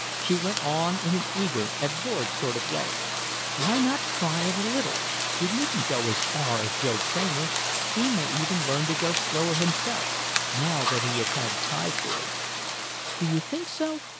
She went on in an eager, absorbed sort of way: "Why not try it a little? You needn't go as far as Joe Kramer. He may even learn to go slower himself now that he has had typhoid " "Do you think so?"